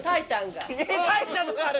炊いたんがある！